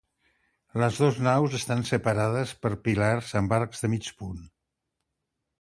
Les dos naus estan separades per pilars amb arcs de mig punt.